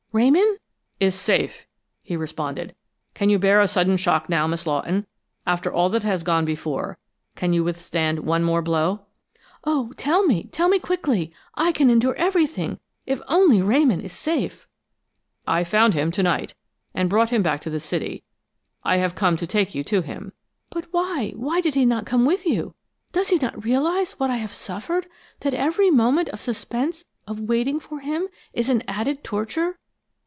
Ramon " "Is safe!" he responded. "Can you bear a sudden shock now, Miss Lawton? After all that has gone before, can you withstand one more blow?" "Oh, tell me! Tell me quickly! I can endure everything, if only Ramon is safe!" "I found him to night, and brought him back to the city. I have come to take you to him." "But why why did he not come with you? Does he not realize what I have suffered that every moment of suspense, of waiting for him, is an added torture?"